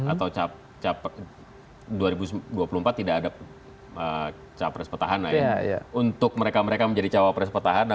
atau dua ribu dua puluh empat tidak ada capres petahana ya untuk mereka mereka menjadi cawapres petahana